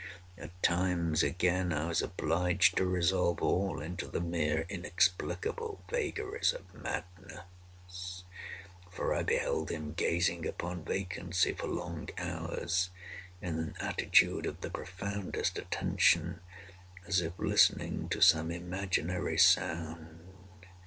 At times, again, I was obliged to resolve all into the mere inexplicable vagaries of madness, for I beheld him gazing upon vacancy for long hours, in an attitude of the profoundest attention, as if listening to some imaginary sound.